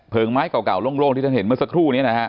ไม้เก่าโล่งที่ท่านเห็นเมื่อสักครู่นี้นะฮะ